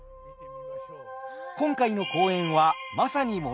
今回の公演はまさに物語の舞台